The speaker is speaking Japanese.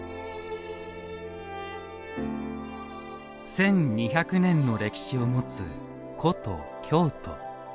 １２００年の歴史を持つ古都・京都。